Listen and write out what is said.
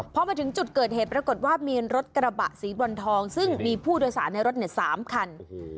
พอมาถึงจุดเกิดเหตุปรากฏว่ามีรถกระบะสีบรอนทองซึ่งมีผู้โดยสารในรถ๓คัน